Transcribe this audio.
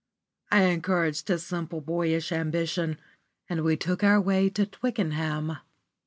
I encouraged his simple, boyish ambition, and we took our way to Twickenham.